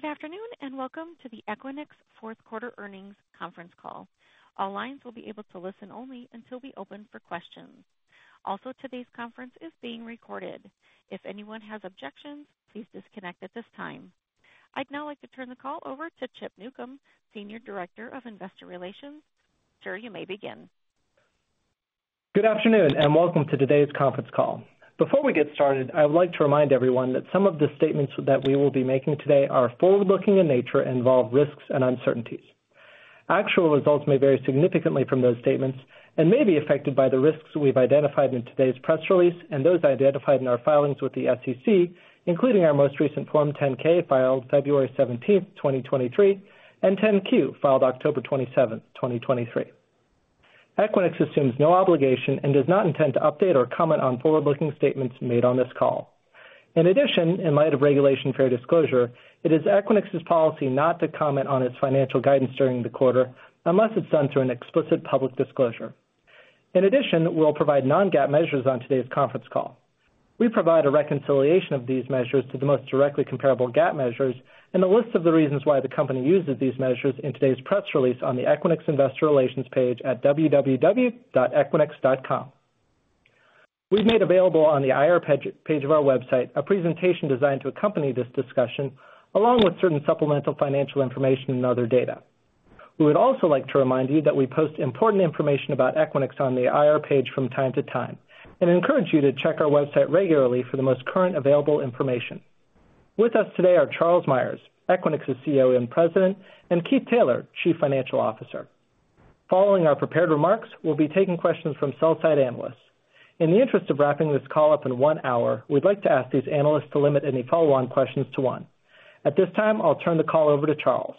Good afternoon and welcome to the Equinix fourth quarter earnings conference call. All lines will be able to listen only until we open for questions. Also, today's conference is being recorded. If anyone has objections, please disconnect at this time. I'd now like to turn the call over to Chip Newcom, Senior Director of Investor Relations. Sir, you may begin. Good afternoon and welcome to today's conference call. Before we get started, I would like to remind everyone that some of the statements that we will be making today are forward-looking in nature and involve risks and uncertainties. Actual results may vary significantly from those statements and may be affected by the risks we've identified in today's press release and those identified in our filings with the SEC, including our most recent Form 10-K filed February 17, 2023, and 10-Q filed October 27, 2023. Equinix assumes no obligation and does not intend to update or comment on forward-looking statements made on this call. In addition, in light of Regulation Fair Disclosure, it is Equinix's policy not to comment on its financial guidance during the quarter unless it's done through an explicit public disclosure. In addition, we'll provide non-GAAP measures on today's conference call. We provide a reconciliation of these measures to the most directly comparable GAAP measures and a list of the reasons why the company uses these measures in today's press release on the Equinix Investor Relations page at www.equinix.com. We've made available on the IR page of our website a presentation designed to accompany this discussion, along with certain supplemental financial information and other data. We would also like to remind you that we post important information about Equinix on the IR page from time to time and encourage you to check our website regularly for the most current available information. With us today are Charles Meyers, Equinix's CEO and President, and Keith Taylor, Chief Financial Officer. Following our prepared remarks, we'll be taking questions from sell-side analysts. In the interest of wrapping this call up in one hour, we'd like to ask these analysts to limit any follow-on questions to one. At this time, I'll turn the call over to Charles.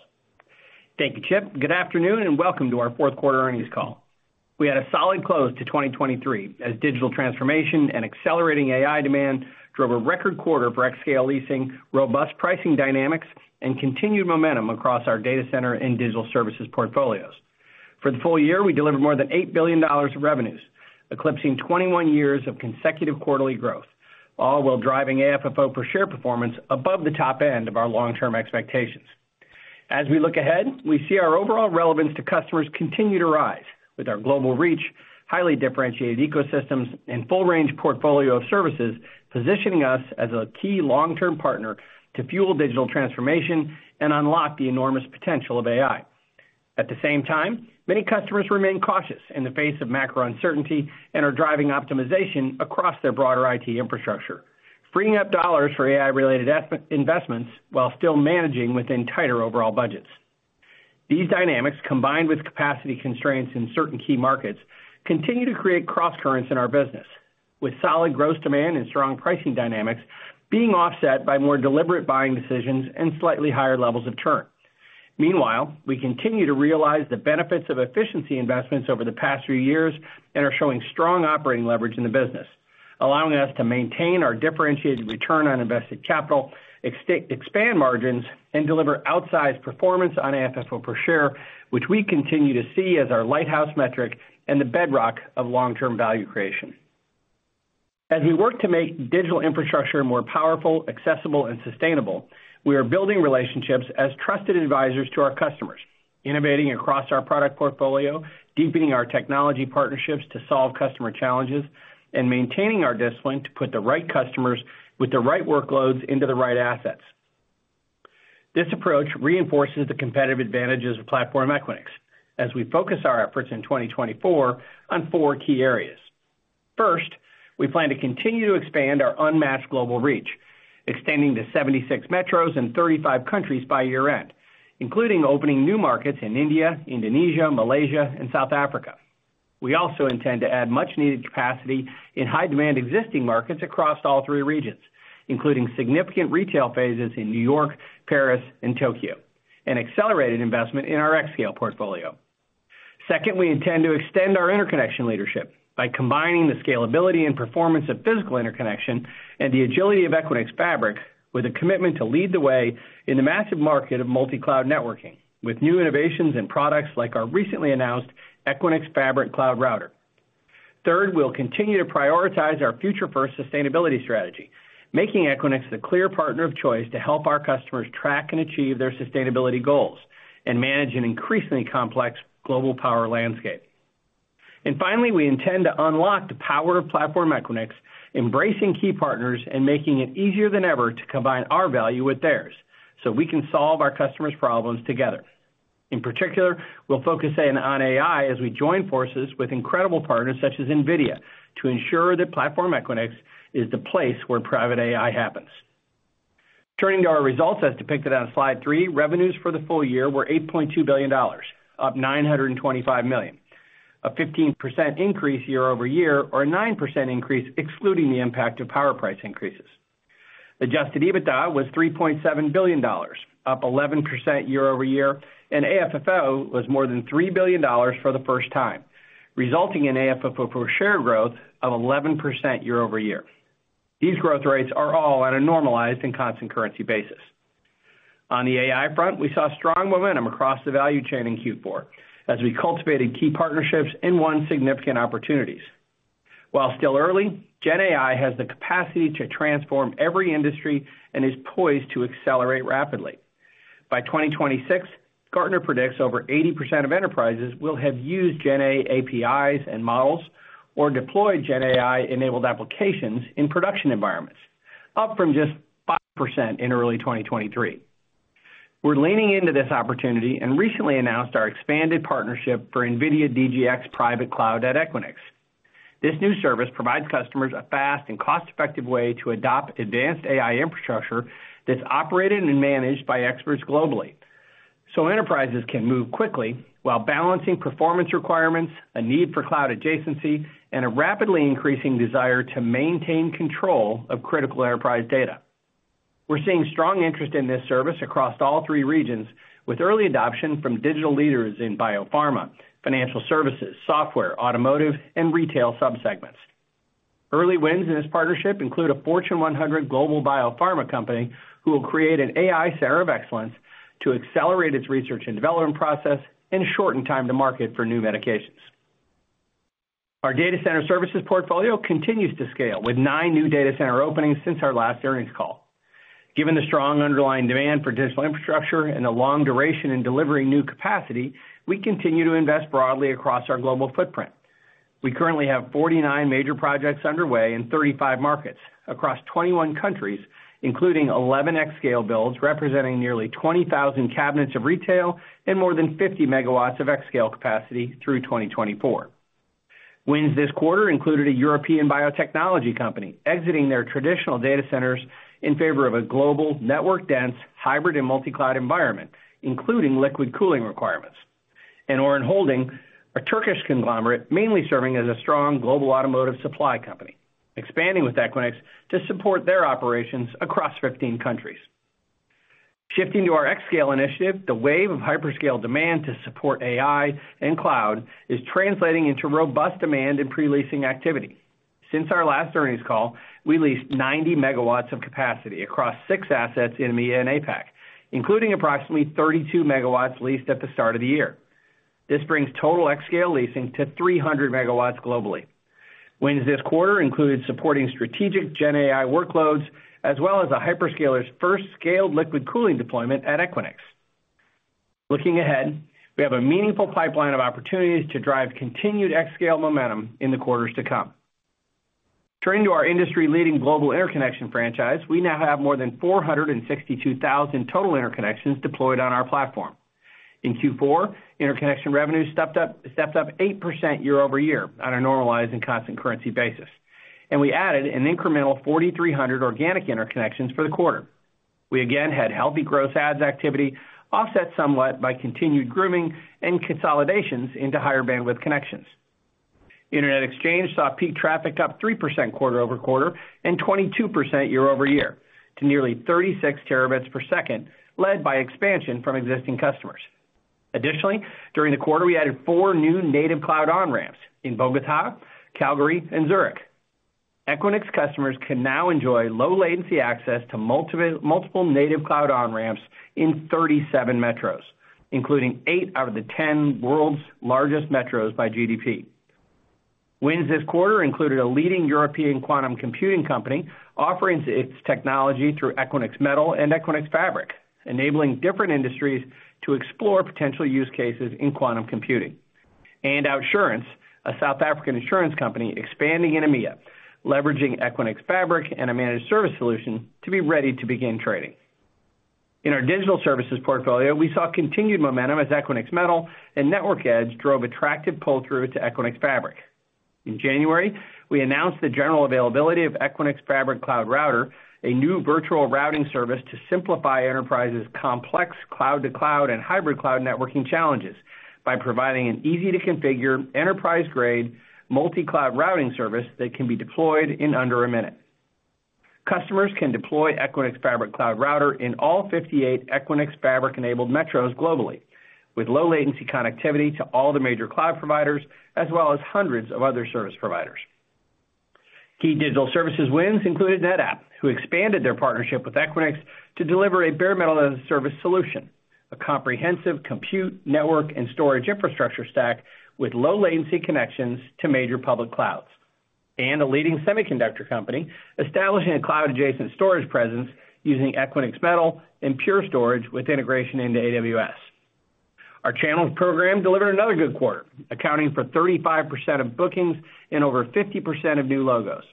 Thank you, Chip. Good afternoon and welcome to our fourth-quarter earnings call. We had a solid close to 2023 as digital transformation and accelerating AI demand drove a record quarter for xScale leasing, robust pricing dynamics, and continued momentum across our data center and Digital Services portfolios. For the full year, we delivered more than $8 billion of revenues, eclipsing 21 years of consecutive quarterly growth, all while driving AFFO per share performance above the top end of our long-term expectations. As we look ahead, we see our overall relevance to customers continue to rise with our global reach, highly differentiated ecosystems, and full-range portfolio of services positioning us as a key long-term partner to fuel digital transformation and unlock the enormous potential of AI. At the same time, many customers remain cautious in the face of macro uncertainty and are driving optimization across their broader IT infrastructure, freeing up dollars for AI-related investments while still managing within tighter overall budgets. These dynamics, combined with capacity constraints in certain key markets, continue to create cross-currents in our business, with solid gross demand and strong pricing dynamics being offset by more deliberate buying decisions and slightly higher levels of churn. Meanwhile, we continue to realize the benefits of efficiency investments over the past few years and are showing strong operating leverage in the business, allowing us to maintain our differentiated return on invested capital, expand margins, and deliver outsized performance on AFFO per share, which we continue to see as our lighthouse metric and the bedrock of long-term value creation. As we work to make digital infrastructure more powerful, accessible, and sustainable, we are building relationships as trusted advisors to our customers, innovating across our product portfolio, deepening our technology partnerships to solve customer challenges, and maintaining our discipline to put the right customers with the right workloads into the right assets. This approach reinforces the competitive advantages of Platform Equinix as we focus our efforts in 2024 on four key areas. First, we plan to continue to expand our unmatched global reach, extending to 76 metros and 35 countries by year-end, including opening new markets in India, Indonesia, Malaysia, and South Africa. We also intend to add much-needed capacity in high-demand existing markets across all three regions, including significant retail phases in New York, Paris, and Tokyo, and accelerated investment in our xScale portfolio. Second, we intend to extend our interconnection leadership by combining the scalability and performance of physical interconnection and the agility of Equinix Fabric with a commitment to lead the way in the massive market of multi-cloud networking with new innovations and products like our recently announced Equinix Fabric Cloud Router. Third, we'll continue to prioritize our future-first sustainability strategy, making Equinix the clear partner of choice to help our customers track and achieve their sustainability goals and manage an increasingly complex global power landscape. And finally, we intend to unlock the power of Platform Equinix, embracing key partners and making it easier than ever to combine our value with theirs so we can solve our customers' problems together. In particular, we'll focus on AI as we join forces with incredible partners such as NVIDIA to ensure that Platform Equinix is the place where Private AI happens. Turning to our results, as depicted on slide three, revenues for the full year were $8.2 billion, up $925 million, a 15% increase year-over-year or a 9% increase excluding the impact of power price increases. Adjusted EBITDA was $3.7 billion, up 11% year-over-year, and AFFO was more than $3 billion for the first time, resulting in AFFO per share growth of 11% year-over-year. These growth rates are all on a normalized and constant currency basis. On the AI front, we saw strong momentum across the value chain in Q4 as we cultivated key partnerships and won significant opportunities. While still early, Gen AI has the capacity to transform every industry and is poised to accelerate rapidly. By 2026, Gartner predicts over 80% of enterprises will have used Gen AI APIs and models or deployed Gen AI-enabled applications in production environments, up from just 5% in early 2023. We're leaning into this opportunity and recently announced our expanded partnership for NVIDIA DGX Private Cloud at Equinix. This new service provides customers a fast and cost-effective way to adopt advanced AI infrastructure that's operated and managed by experts globally so enterprises can move quickly while balancing performance requirements, a need for cloud adjacency, and a rapidly increasing desire to maintain control of critical enterprise data. We're seeing strong interest in this service across all three regions, with early adoption from digital leaders in biopharma, financial services, software, automotive, and retail subsegments. Early wins in this partnership include a Fortune 100 global biopharma company who will create an AI center of excellence to accelerate its research and development process and shorten time to market for new medications. Our data center services portfolio continues to scale with 9 new data center openings since our last earnings call. Given the strong underlying demand for digital infrastructure and the long duration in delivering new capacity, we continue to invest broadly across our global footprint. We currently have 49 major projects underway in 35 markets across 21 countries, including 11 xScale builds representing nearly 20,000 cabinets of retail and more than 50 MW of xScale capacity through 2024. Wins this quarter included a European biotechnology company exiting their traditional data centers in favor of a global, network-dense, hybrid, and multi-cloud environment, including liquid cooling requirements. Orhan Holding, a Turkish conglomerate mainly serving as a strong global automotive supply company, expanding with Equinix to support their operations across 15 countries. Shifting to our xScale initiative, the wave of hyperscale demand to support AI and cloud is translating into robust demand and pre-leasing activity. Since our last earnings call, we leased 90 megawatts of capacity across six assets in the ENA PAC, including approximately 32 megawatts leased at the start of the year. This brings total xScale leasing to 300 megawatts globally. Wins this quarter included supporting strategic Gen AI workloads as well as a hyperscaler's first scaled liquid cooling deployment at Equinix. Looking ahead, we have a meaningful pipeline of opportunities to drive continued xScale momentum in the quarters to come. Turning to our industry-leading global interconnection franchise, we now have more than 462,000 total interconnections deployed on our platform. In Q4, interconnection revenues stepped up 8% year-over-year on a normalized and constant currency basis, and we added an incremental 4,300 organic interconnections for the quarter. We again had healthy gross adds activity offset somewhat by continued grooming and consolidations into higher bandwidth connections. Internet exchange saw peak traffic up 3% quarter-over-quarter and 22% year-over-year to nearly 36 Tbps, led by expansion from existing customers. Additionally, during the quarter, we added 4 new native cloud on-ramps in Bogotá, Calgary, and Zurich. Equinix customers can now enjoy low-latency access to multiple native cloud on-ramps in 37 metros, including 8 out of the 10 world's largest metros by GDP. Wins this quarter included a leading European quantum computing company offering its technology through Equinix Metal and Equinix Fabric, enabling different industries to explore potential use cases in quantum computing. OUTsurance, a South African insurance company expanding in EMEA, leveraging Equinix Fabric and a managed service solution to be ready to begin trading. In our digital services portfolio, we saw continued momentum as Equinix Metal and Network Edge drove attractive pull-through to Equinix Fabric. In January, we announced the general availability of Equinix Fabric Cloud Router, a new virtual routing service to simplify enterprises' complex cloud-to-cloud and hybrid cloud networking challenges by providing an easy-to-configure, enterprise-grade, multi-cloud routing service that can be deployed in under a minute. Customers can deploy Equinix Fabric Cloud Router in all 58 Equinix Fabric-enabled metros globally, with low-latency connectivity to all the major cloud providers as well as hundreds of other service providers. Key digital services wins included NetApp, who expanded their partnership with Equinix to deliver a bare-metal-as-a-service solution, a comprehensive compute, network, and storage infrastructure stack with low-latency connections to major public clouds, and a leading semiconductor company establishing a cloud-adjacent storage presence using Equinix Metal and Pure Storage with integration into AWS. Our channels program delivered another good quarter, accounting for 35% of bookings and over 50% of new logos.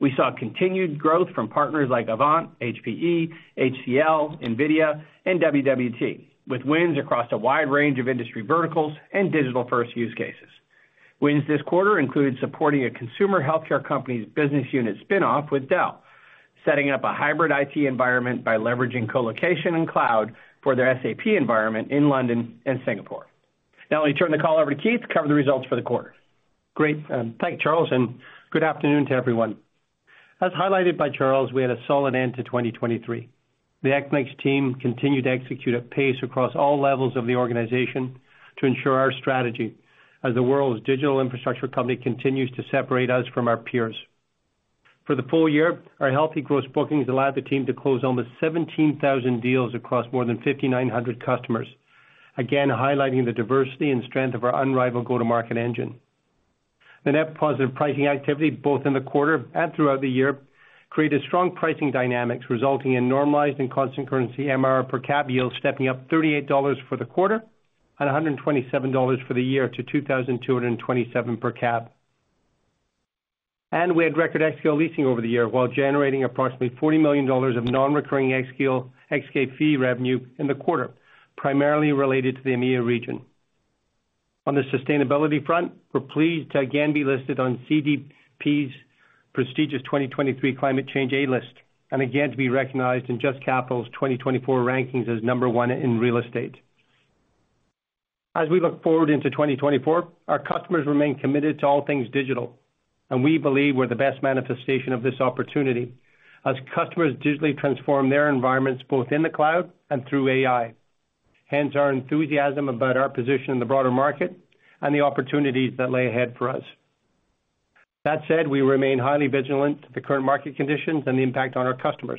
We saw continued growth from partners like Avant, HPE, HCL, NVIDIA, and WWT, with wins across a wide range of industry verticals and digital-first use cases. Wins this quarter included supporting a consumer healthcare company's business unit spinoff with Dell, setting up a hybrid IT environment by leveraging colocation and cloud for their SAP environment in London and Singapore. Now, let me turn the call over to Keith to cover the results for the quarter. Great. Thank you, Charles, and good afternoon to everyone. As highlighted by Charles, we had a solid end to 2023. The Equinix team continued to execute at pace across all levels of the organization to ensure our strategy as the world's digital infrastructure company continues to separate us from our peers. For the full year, our healthy gross bookings allowed the team to close almost 17,000 deals across more than 5,900 customers, again highlighting the diversity and strength of our unrivaled go-to-market engine. The net positive pricing activity, both in the quarter and throughout the year, created strong pricing dynamics, resulting in normalized and constant currency MR per cap yields stepping up $38 for the quarter and $127 for the year to $2,227 per cap. We had record xScale leasing over the year while generating approximately $40 million of non-recurring xScale fee revenue in the quarter, primarily related to the EMEA region. On the sustainability front, we're pleased to again be listed on CDP's prestigious 2023 Climate Change A-list and again to be recognized in Just Capital's 2024 rankings as number one in real estate. As we look forward into 2024, our customers remain committed to all things digital, and we believe we're the best manifestation of this opportunity as customers digitally transform their environments both in the cloud and through AI. Hence, our enthusiasm about our position in the broader market and the opportunities that lay ahead for us. That said, we remain highly vigilant to the current market conditions and the impact on our customers.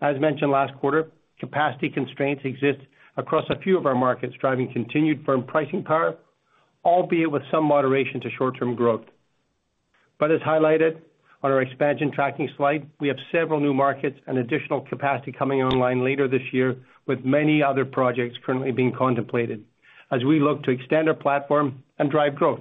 As mentioned last quarter, capacity constraints exist across a few of our markets, driving continued firm pricing power, albeit with some moderation to short-term growth. As highlighted on our expansion tracking slide, we have several new markets and additional capacity coming online later this year, with many other projects currently being contemplated as we look to extend our platform and drive growth.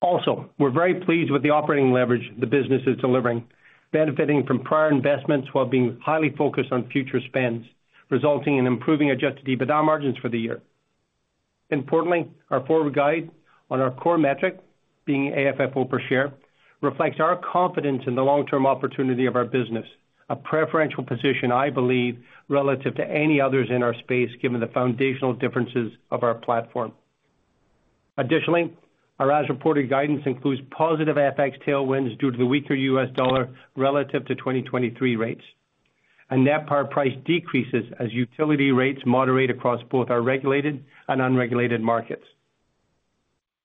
Also, we're very pleased with the operating leverage the business is delivering, benefiting from prior investments while being highly focused on future spends, resulting in improving Adjusted EBITDA margins for the year. Importantly, our forward guide on our core metric, being AFFO per share, reflects our confidence in the long-term opportunity of our business, a preferential position, I believe, relative to any others in our space, given the foundational differences of our platform. Additionally, our as-reported guidance includes positive FX tailwinds due to the weaker U.S. dollar relative to 2023 rates, and net power price decreases as utility rates moderate across both our regulated and unregulated markets.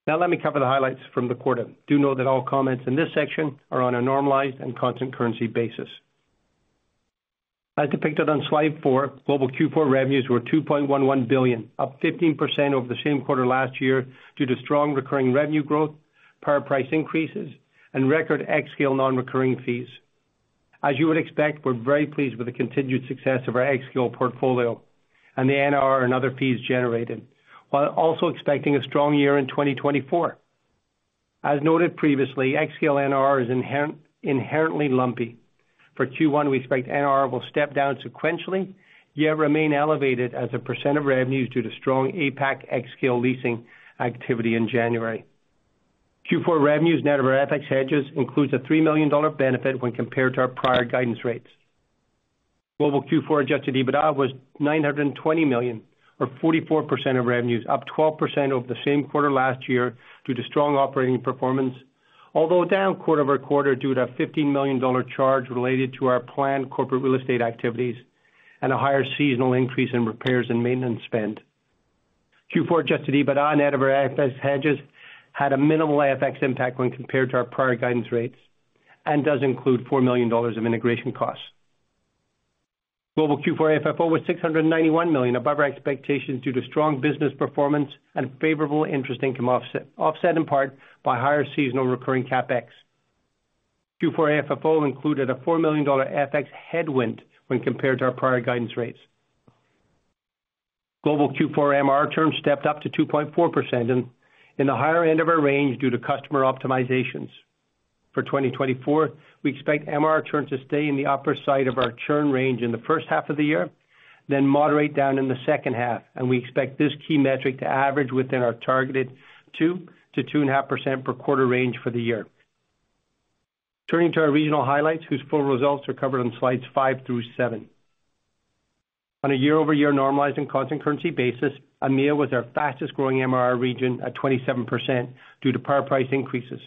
Now, let me cover the highlights from the quarter. Do know that all comments in this section are on a normalized and constant currency basis. As depicted on slide four, global Q4 revenues were $2.11 billion, up 15% over the same quarter last year due to strong recurring revenue growth, power price increases, and record xScale non-recurring fees. As you would expect, we're very pleased with the continued success of our xScale portfolio and the NRR and other fees generated, while also expecting a strong year in 2024. As noted previously, xScale NRR is inherently lumpy. For Q1, we expect NRR will step down sequentially yet remain elevated as a percent of revenues due to strong APAC xScale leasing activity in January. Q4 revenues net of our FX hedges includes a $3 million benefit when compared to our prior guidance rates. Global Q4 adjusted EBITDA was $920 million, or 44% of revenues, up 12% over the same quarter last year due to strong operating performance, although down quarter-over-quarter due to a $15 million charge related to our planned corporate real estate activities and a higher seasonal increase in repairs and maintenance spend. Q4 adjusted EBITDA net of our FX hedges had a minimal FX impact when compared to our prior guidance rates and does include $4 million of integration costs. Global Q4 AFFO was $691 million, above our expectations due to strong business performance and favorable interest income offset in part by higher seasonal recurring CapEx. Q4 AFFO included a $4 million FX headwind when compared to our prior guidance rates. Global Q4 MR churn stepped up to 2.4% in the higher end of our range due to customer optimizations. For 2024, we expect MR churn to stay in the upper side of our churn range in the first half of the year, then moderate down in the second half. We expect this key metric to average within our targeted 2%-2.5% per quarter range for the year. Turning to our regional highlights, whose full results are covered on slides five through seven. On a year-over-year normalized and constant currency basis, EMEA was our fastest growing MRR region at 27% due to power price increases,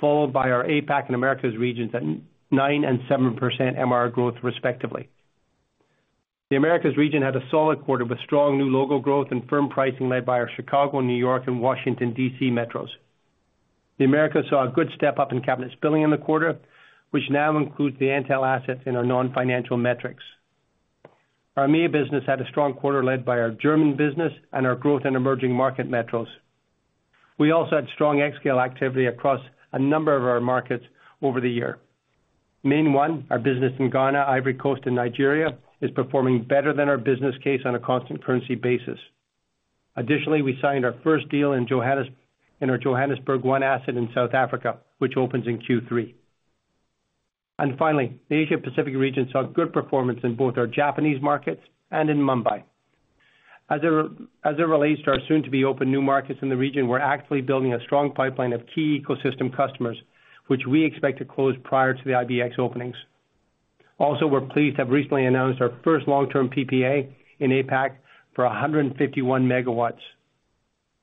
followed by our APAC and Americas regions at 9% and 7% MRR growth, respectively. The Americas region had a solid quarter with strong new logo growth and firm pricing led by our Chicago, New York, and Washington, D.C. metros. The Americas saw a good step up in cabinet utilization in the quarter, which now includes the Entel assets in our non-financial metrics. Our EMEA business had a strong quarter led by our German business and our growth and emerging market metros. We also had strong xScale activity across a number of our markets over the year. MainOne, our business in Ghana, Ivory Coast, and Nigeria, is performing better than our business case on a constant currency basis. Additionally, we signed our first deal in Johannesburg One asset in South Africa, which opens in Q3. And finally, the Asia-Pacific region saw good performance in both our Japanese markets and in Mumbai. As it relates to our soon-to-be open new markets in the region, we're actively building a strong pipeline of key ecosystem customers, which we expect to close prior to the IBX openings. Also, we're pleased to have recently announced our first long-term PPA in APAC for 151 megawatts.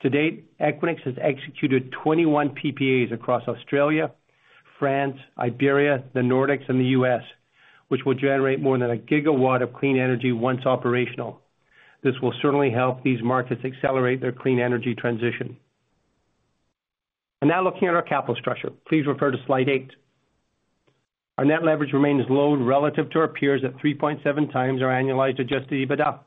To date, Equinix has executed 21 PPAs across Australia, France, Iberia, the Nordics, and the U.S., which will generate more than a gigawatt of clean energy once operational. This will certainly help these markets accelerate their clean energy transition. And now looking at our capital structure, please refer to slide eight. Our net leverage remains low relative to our peers at 3.7x our annualized Adjusted EBITDA.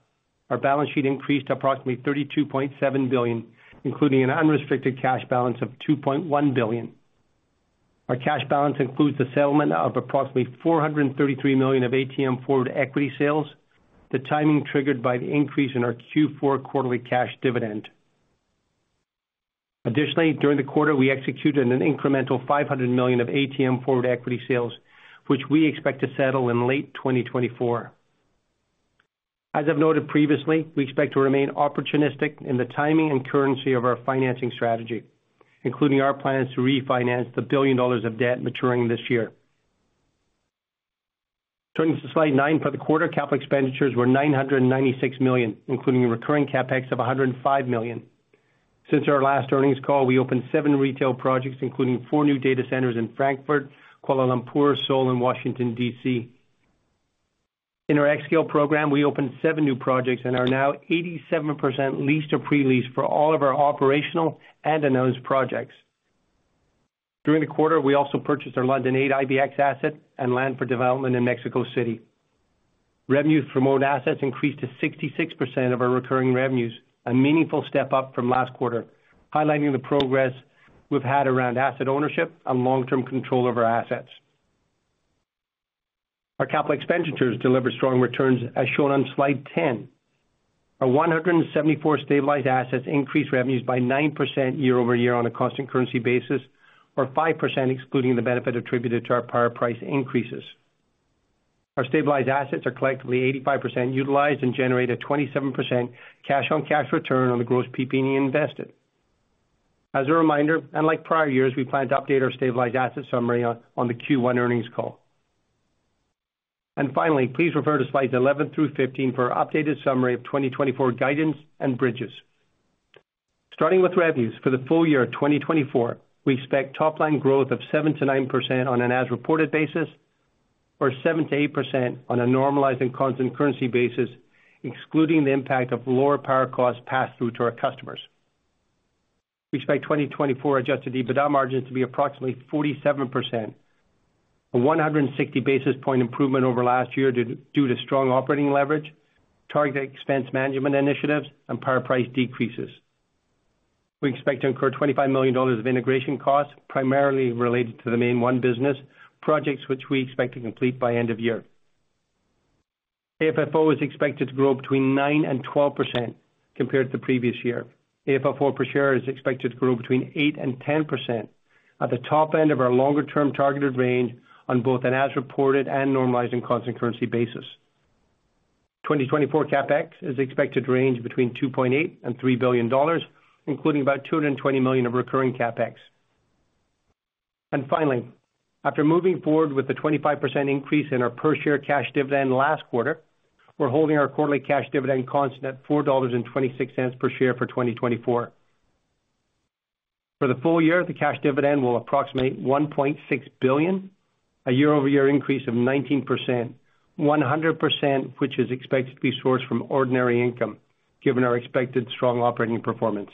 Our balance sheet increased to approximately $32.7 billion, including an unrestricted cash balance of $2.1 billion. Our cash balance includes the settlement of approximately $433 million of ATM forward equity sales, the timing triggered by the increase in our Q4 quarterly cash dividend. Additionally, during the quarter, we executed an incremental $500 million of ATM forward equity sales, which we expect to settle in late 2024. As I've noted previously, we expect to remain opportunistic in the timing and currency of our financing strategy, including our plans to refinance the $1 billion of debt maturing this year. Turning to slide nine for the quarter, capital expenditures were $996 million, including a recurring CapEx of $105 million. Since our last earnings call, we opened seven retail projects, including four new data centers in Frankfurt, Kuala Lumpur, Seoul, and Washington, D.C. In our xScale program, we opened seven new projects and are now 87% leased or pre-leased for all of our operational and announced projects. During the quarter, we also purchased our London 8 IBX asset and land for development in Mexico City. Revenue from our assets increased to 66% of our recurring revenues, a meaningful step up from last quarter, highlighting the progress we've had around asset ownership and long-term control of our assets. Our capital expenditures delivered strong returns, as shown on slide 10. Our 174 stabilized assets increased revenues by 9% year-over-year on a constant currency basis, or 5% excluding the benefit attributed to our prior price increases. Our stabilized assets are collectively 85% utilized and generate a 27% cash-on-cash return on the gross PPE invested. As a reminder, unlike prior years, we plan to update our stabilized assets summary on the Q1 earnings call. Finally, please refer to slides 11 through 15 for our updated summary of 2024 guidance and bridges. Starting with revenues, for the full year of 2024, we expect top-line growth of 7%-9% on an as-reported basis, or 7%-8% on a normalized and constant currency basis, excluding the impact of lower power costs passed through to our customers. We expect 2024 Adjusted EBITDA margins to be approximately 47%, a 160 basis points improvement over last year due to strong operating leverage, target expense management initiatives, and prior price decreases. We expect to incur $25 million of integration costs, primarily related to the MainOne business projects, which we expect to complete by end of year. AFFO is expected to grow between 9% and 12% compared to the previous year. AFFO per share is expected to grow between 8%-10% at the top end of our longer-term targeted range on both an as-reported and normalized and constant currency basis. 2024 CapEx is expected to range between $2.8-$3 billion, including about $220 million of recurring CapEx. And finally, after moving forward with the 25% increase in our per-share cash dividend last quarter, we're holding our quarterly cash dividend constant at $4.26 per share for 2024. For the full year, the cash dividend will approximate $1.6 billion, a year-over-year increase of 19%, 100% which is expected to be sourced from ordinary income, given our expected strong operating performance.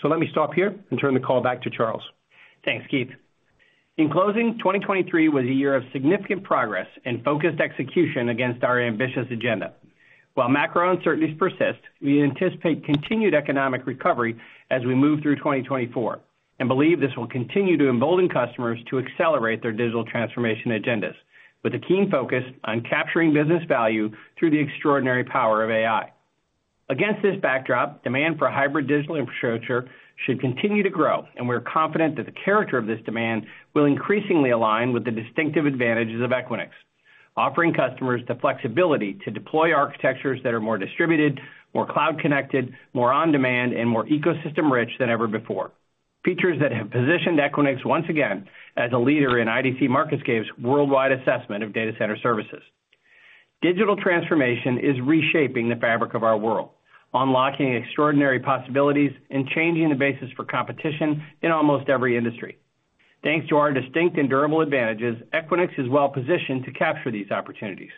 So let me stop here and turn the call back to Charles. Thanks, Keith. In closing, 2023 was a year of significant progress and focused execution against our ambitious agenda. While macro uncertainties persist, we anticipate continued economic recovery as we move through 2024 and believe this will continue to embolden customers to accelerate their digital transformation agendas, with a keen focus on capturing business value through the extraordinary power of AI. Against this backdrop, demand for hybrid digital infrastructure should continue to grow, and we're confident that the character of this demand will increasingly align with the distinctive advantages of Equinix, offering customers the flexibility to deploy architectures that are more distributed, more cloud-connected, more on-demand, and more ecosystem-rich than ever before, features that have positioned Equinix once again as a leader in IDC MarketScape's worldwide assessment of data center services. Digital transformation is reshaping the fabric of our world, unlocking extraordinary possibilities and changing the basis for competition in almost every industry. Thanks to our distinct and durable advantages, Equinix is well positioned to capture these opportunities.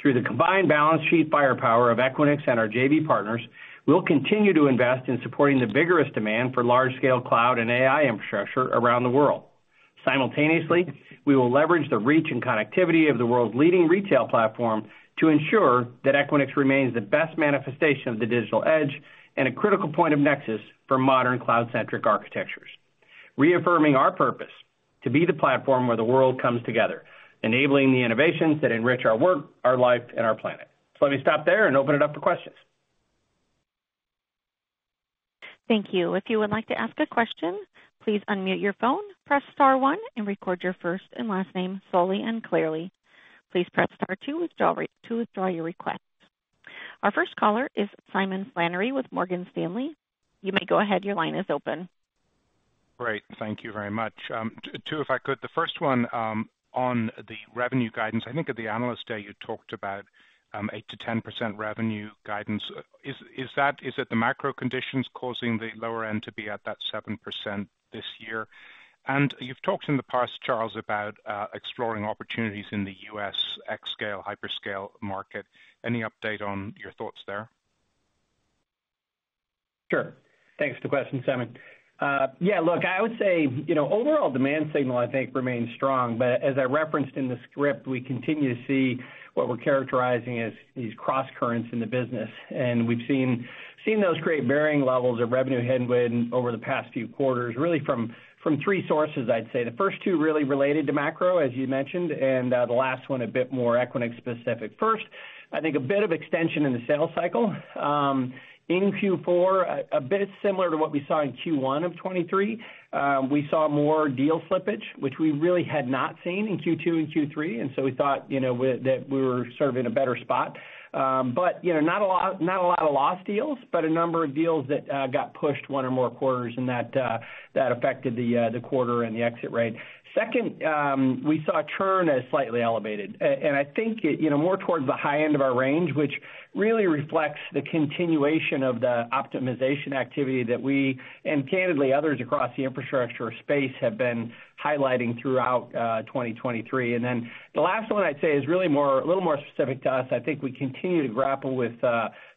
Through the combined balance sheet firepower of Equinix and our JV partners, we'll continue to invest in supporting the vigorous demand for large-scale cloud and AI infrastructure around the world. Simultaneously, we will leverage the reach and connectivity of the world's leading retail platform to ensure that Equinix remains the best manifestation of the digital edge and a critical point of nexus for modern cloud-centric architectures, reaffirming our purpose to be the platform where the world comes together, enabling the innovations that enrich our work, our life, and our planet. So let me stop there and open it up for questions. Thank you. If you would like to ask a question, please unmute your phone, press star one, and record your first and last name solely and clearly. Please press star two to withdraw your request. Our first caller is Simon Flannery with Morgan Stanley. You may go ahead. Your line is open. Great. Thank you very much. Two, if I could. The first one, on the revenue guidance, I think at the Analyst Day you talked about 8%-10% revenue guidance. Is that the macro conditions causing the lower end to be at that 7% this year? And you've talked in the past, Charles, about exploring opportunities in the U.S. xScale hyperscale market. Any update on your thoughts there? Sure. Thanks for the question, Simon. Yeah, look, I would say overall demand signal, I think, remains strong. But as I referenced in the script, we continue to see what we're characterizing as these cross currents in the business. And we've seen those create varying levels of revenue headwind over the past few quarters, really from three sources, I'd say. The first two really related to macro, as you mentioned, and the last one a bit more Equinix-specific. First, I think a bit of extension in the sales cycle. In Q4, a bit similar to what we saw in Q1 of 2023. We saw more deal slippage, which we really had not seen in Q2 and Q3. And so we thought that we were sort of in a better spot. But not a lot of lost deals, but a number of deals that got pushed one or more quarters and that affected the quarter and the exit rate. Second, we saw churn as slightly elevated. And I think more towards the high end of our range, which really reflects the continuation of the optimization activity that we and candidly, others across the infrastructure space have been highlighting throughout 2023. And then the last one, I'd say, is really a little more specific to us. I think we continue to grapple with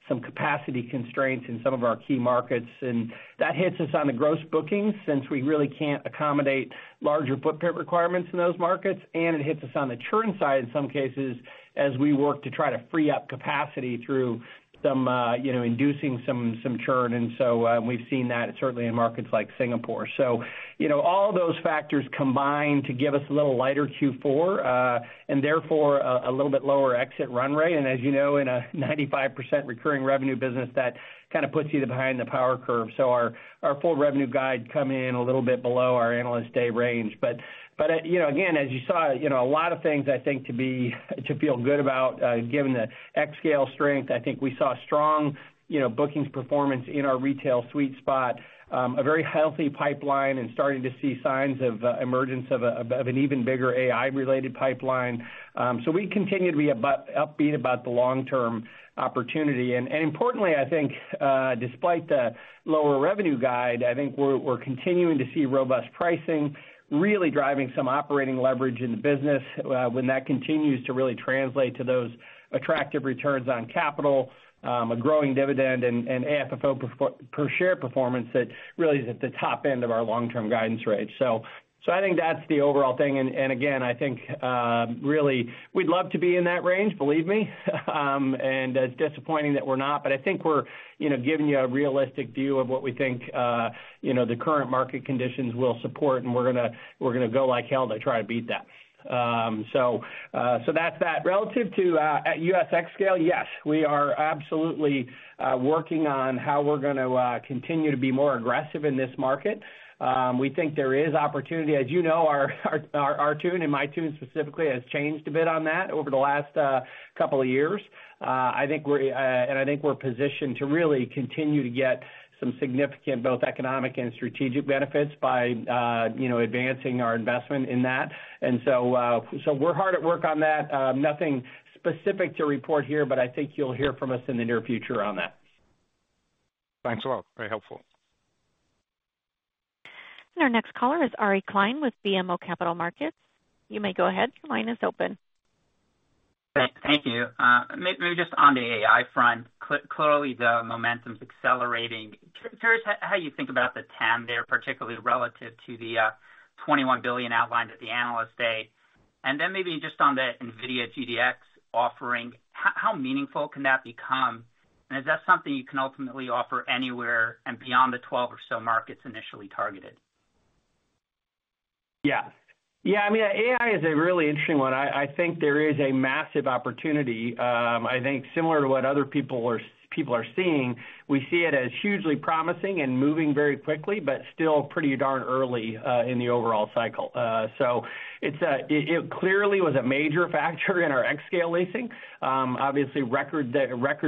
some capacity constraints in some of our key markets. And that hits us on the gross bookings since we really can't accommodate larger footprint requirements in those markets. And it hits us on the churn side in some cases as we work to try to free up capacity through inducing some churn. And so we've seen that certainly in markets like Singapore. So all of those factors combine to give us a little lighter Q4 and therefore a little bit lower exit run rate. And as you know, in a 95% recurring revenue business, that kind of puts you behind the power curve. So our full revenue guide come in a little bit below our analyst day range. But again, as you saw, a lot of things, I think, to feel good about, given the xScale strength. I think we saw strong bookings performance in our retail sweet spot, a very healthy pipeline, and starting to see signs of emergence of an even bigger AI-related pipeline. So we continue to be upbeat about the long-term opportunity. And importantly, I think, despite the lower revenue guide, I think we're continuing to see robust pricing really driving some operating leverage in the business when that continues to really translate to those attractive returns on capital, a growing dividend, and AFFO per share performance that really is at the top end of our long-term guidance range. So I think that's the overall thing. Again, I think really, we'd love to be in that range, believe me. And it's disappointing that we're not. But I think we're giving you a realistic view of what we think the current market conditions will support. And we're going to go like hell to try to beat that. So that's that. Relative to U.S. xScale, yes, we are absolutely working on how we're going to continue to be more aggressive in this market. We think there is opportunity. As you know, our tune and my tune specifically has changed a bit on that over the last couple of years. I think we're positioned to really continue to get some significant both economic and strategic benefits by advancing our investment in that. So we're hard at work on that. Nothing specific to report here, but I think you'll hear from us in the near future on that. Thanks a lot. Very helpful. Our next caller is Ari Klein with BMO Capital Markets. You may go ahead. Your line is open. Thank you. Maybe just on the AI front, clearly the momentum's accelerating. Curious how you think about the TAM there, particularly relative to the $21 billion outlined at the analyst day. And then maybe just on the NVIDIA DGX offering, how meaningful can that become? And is that something you can ultimately offer anywhere and beyond the 12 or so markets initially targeted? Yeah. Yeah, I mean, AI is a really interesting one. I think there is a massive opportunity. I think similar to what other people are seeing, we see it as hugely promising and moving very quickly, but still pretty darn early in the overall cycle. So it clearly was a major factor in our xScale leasing. Obviously, record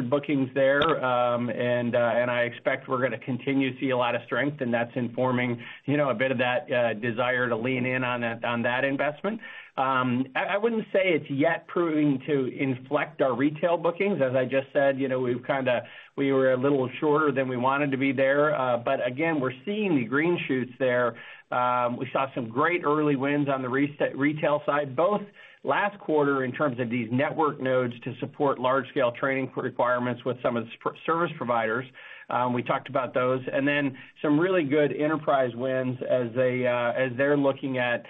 bookings there. And I expect we're going to continue to see a lot of strength. And that's informing a bit of that desire to lean in on that investment. I wouldn't say it's yet proving to inflect our retail bookings. As I just said, we were a little shorter than we wanted to be there. But again, we're seeing the green shoots there. We saw some great early wins on the retail side, both last quarter in terms of these network nodes to support large-scale training requirements with some of the service providers. We talked about those. And then some really good enterprise wins as they're looking at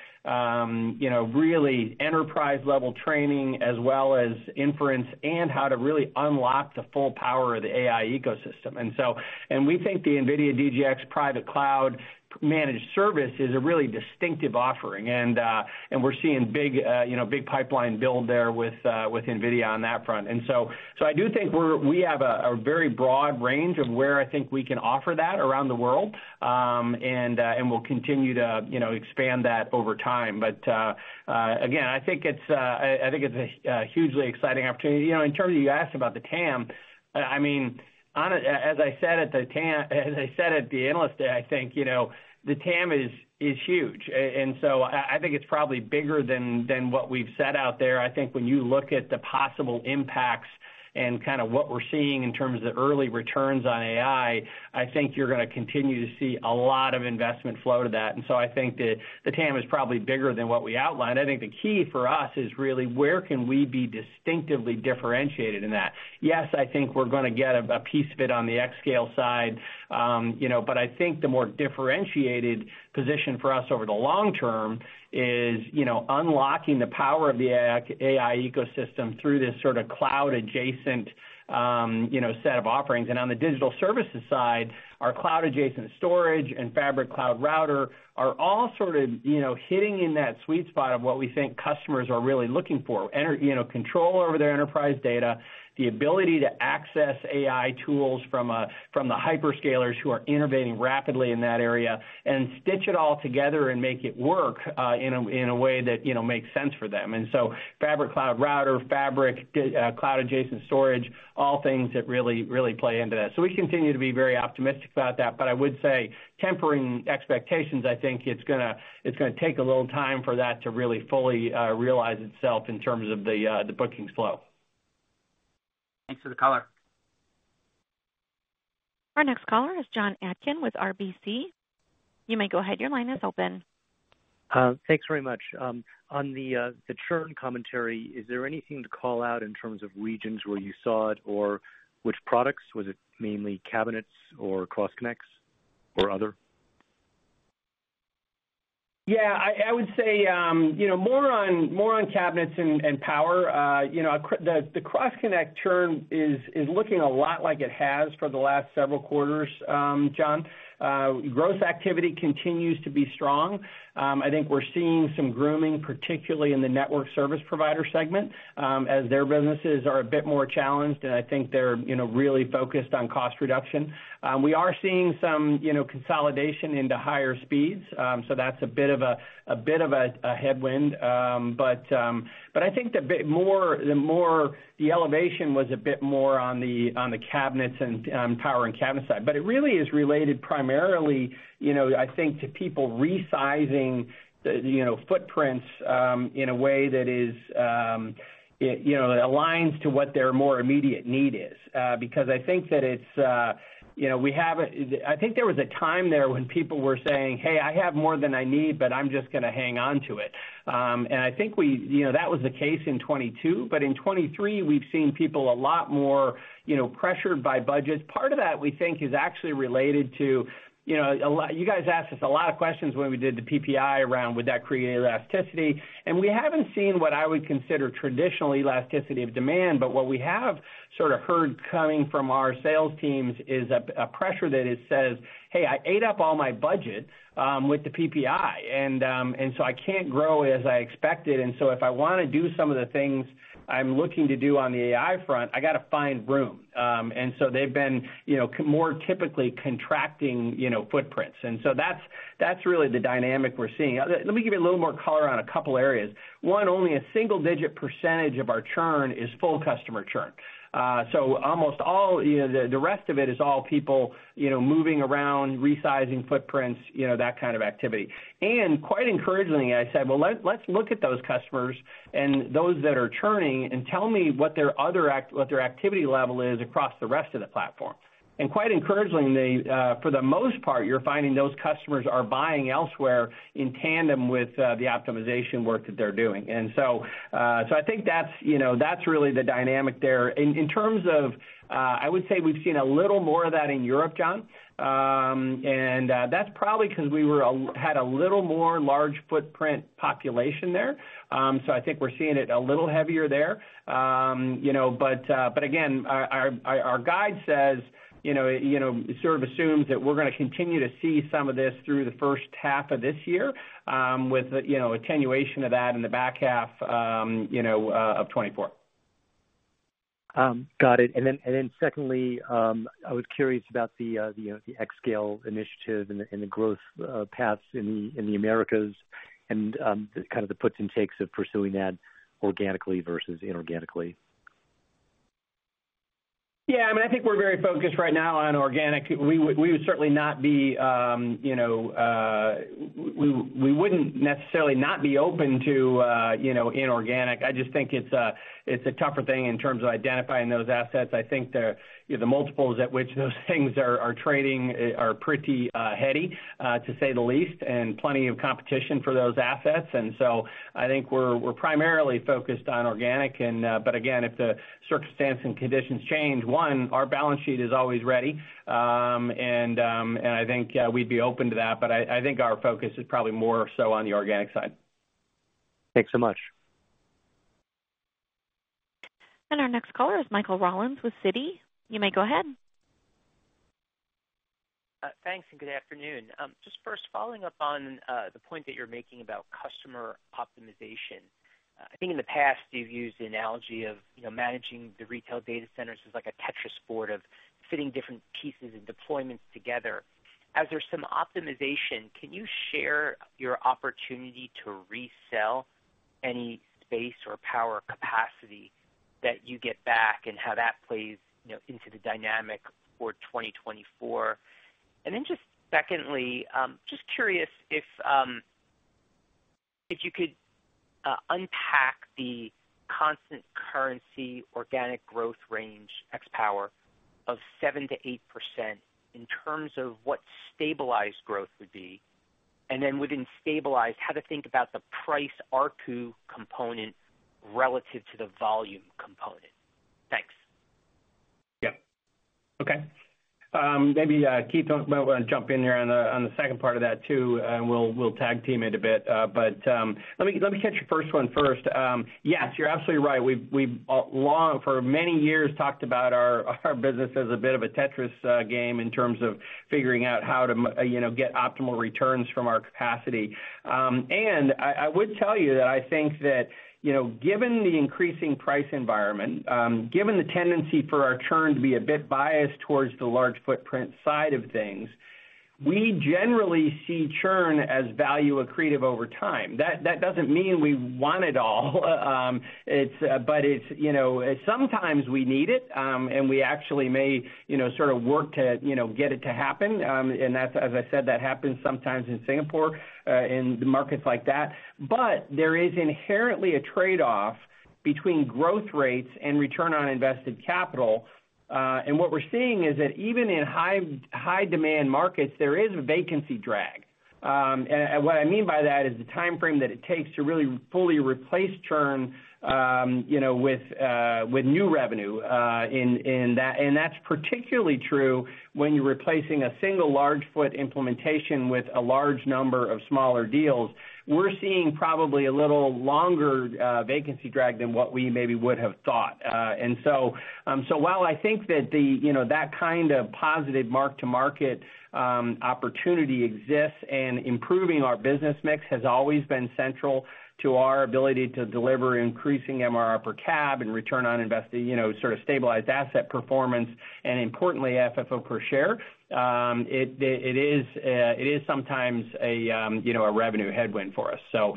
really enterprise-level training as well as inference and how to really unlock the full power of the AI ecosystem. And we think the NVIDIA DGX Private Cloud managed service is a really distinctive offering. And we're seeing big pipeline build there with NVIDIA on that front. And so I do think we have a very broad range of where I think we can offer that around the world. And we'll continue to expand that over time. But again, I think it's a hugely exciting opportunity. In terms of you asked about the TAM, I mean, as I said at the analyst day, I think the TAM is huge. And so I think it's probably bigger than what we've set out there. I think when you look at the possible impacts and kind of what we're seeing in terms of early returns on AI, I think you're going to continue to see a lot of investment flow to that. And so I think that the TAM is probably bigger than what we outlined. I think the key for us is really where can we be distinctively differentiated in that? Yes, I think we're going to get a piece of it on the xScale side. But I think the more differentiated position for us over the long term is unlocking the power of the AI ecosystem through this sort of cloud-adjacent set of offerings. And on the digital services side, our cloud-adjacent storage and Fabric Cloud Router are all sort of hitting in that sweet spot of what we think customers are really looking for, control over their enterprise data, the ability to access AI tools from the hyperscalers who are innovating rapidly in that area, and stitch it all together and make it work in a way that makes sense for them. And so Fabric Cloud Router, Fabric Cloud-adjacent storage, all things that really play into that. So we continue to be very optimistic about that. But I would say, tempering expectations, I think it's going to take a little time for that to really fully realize itself in terms of the bookings flow. Thanks for the colour. Our next caller is Jon Atkin with RBC. You may go ahead. Your line is open. Thanks very much. On the churn commentary, is there anything to call out in terms of regions where you saw it or which products? Was it mainly cabinets or cross-connects or other? Yeah, I would say more on cabinets and power. The cross-connect churn is looking a lot like it has for the last several quarters, Jon. Gross activity continues to be strong. I think we're seeing some grooming, particularly in the network service provider segment, as their businesses are a bit more challenged. And I think they're really focused on cost reduction. We are seeing some consolidation into higher speeds. So that's a bit of a headwind. But I think the elevation was a bit more on the cabinets and power and cabinet side. But it really is related primarily, I think, to people resizing footprints in a way that aligns to what their more immediate need is. Because I think that I think there was a time there when people were saying, "Hey, I have more than I need, but I'm just going to hang on to it." And I think that was the case in 2022. But in 2023, we've seen people a lot more pressured by budgets. Part of that, we think, is actually related to you guys asked us a lot of questions when we did the PPI around, would that create elasticity? And we haven't seen what I would consider traditionally elasticity of demand. But what we have sort of heard coming from our sales teams is a pressure that says, "Hey, I ate up all my budget with the PPI. And so I can't grow as I expected. And so if I want to do some of the things I'm looking to do on the AI front, I got to find room." And so they've been more typically contracting footprints. And so that's really the dynamic we're seeing. Let me give you a little more color on a couple of areas. One, only a single-digit % of our churn is full customer churn. So almost all the rest of it is all people moving around, resizing footprints, that kind of activity. And quite encouragingly, I said, "Well, let's look at those customers and those that are churning and tell me what their activity level is across the rest of the platform." And quite encouragingly, for the most part, you're finding those customers are buying elsewhere in tandem with the optimization work that they're doing. And so I think that's really the dynamic there. In terms of I would say we've seen a little more of that in Europe, Jon. That's probably because we had a little more large footprint population there. I think we're seeing it a little heavier there. Our guide sort of assumes that we're going to continue to see some of this through the first half of this year with attenuation of that in the back half of 2024. Got it. And then secondly, I was curious about the xScale initiative and the growth paths in the Americas and kind of the puts and takes of pursuing that organically versus inorganically. Yeah, I mean, I think we're very focused right now on organic. We wouldn't necessarily not be open to inorganic. I just think it's a tougher thing in terms of identifying those assets. I think the multiples at which those things are trading are pretty heady, to say the least, and plenty of competition for those assets. And so I think we're primarily focused on organic. But again, if the circumstances and conditions change, one, our balance sheet is always ready. And I think we'd be open to that. But I think our focus is probably more so on the organic side. Thanks so much. Our next caller is Michael Rollins with Citi. You may go ahead. Thanks and good afternoon. Just first, following up on the point that you're making about customer optimization. I think in the past, you've used the analogy of managing the retail data centers as like a Tetris board of fitting different pieces and deployments together. As there's some optimization, can you share your opportunity to resell any space or power capacity that you get back and how that plays into the dynamic for 2024? And then just secondly, just curious if you could unpack the constant currency organic growth range, xScale, of 7%-8% in terms of what stabilized growth would be. And then within stabilized, how to think about the price R2 component relative to the volume component. Thanks. Yeah. Okay. Maybe Keith, I want to jump in here on the second part of that too. And we'll tag team it a bit. But let me catch your first one first. Yes, you're absolutely right. We've for many years talked about our business as a bit of a Tetris game in terms of figuring out how to get optimal returns from our capacity. And I would tell you that I think that given the increasing price environment, given the tendency for our churn to be a bit biased towards the large footprint side of things, we generally see churn as value accretive over time. That doesn't mean we want it all. But sometimes we need it. And we actually may sort of work to get it to happen. And as I said, that happens sometimes in Singapore, in markets like that. But there is inherently a trade-off between growth rates and return on invested capital. And what we're seeing is that even in high-demand markets, there is a vacancy drag. And what I mean by that is the time frame that it takes to really fully replace churn with new revenue. And that's particularly true when you're replacing a single large footprint implementation with a large number of smaller deals. We're seeing probably a little longer vacancy drag than what we maybe would have thought. And so while I think that that kind of positive mark-to-market opportunity exists and improving our business mix has always been central to our ability to deliver increasing MRR per cab and return on invested, sort of stabilized asset performance, and importantly, FFO per share, it is sometimes a revenue headwind for us. So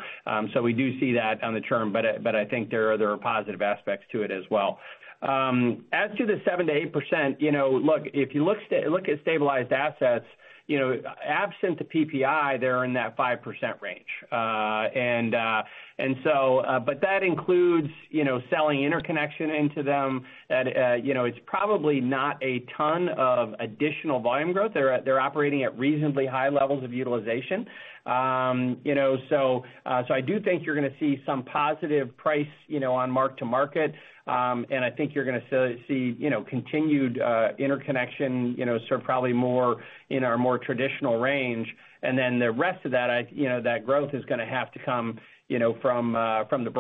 we do see that on the term. But I think there are positive aspects to it as well. As to the 7%-8%, look, if you look at stabilized assets, absent the PPI, they're in that 5% range. And so but that includes selling interconnection into them. It's probably not a ton of additional volume growth. They're operating at reasonably high levels of utilization. So I do think you're going to see some positive price on mark-to-market. And I think you're going to see continued interconnection, sort of probably more in our more traditional range. And then the rest of that, that growth is going to have to come from the